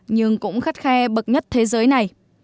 nhưng cũng khắt khe bậc nhất thế giới này